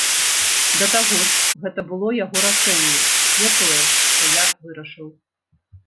Да таго ж, гэта было яго рашэнне, не тое, што я вырашыў.